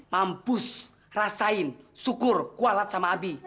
mampu rasain syukur kualat sama abi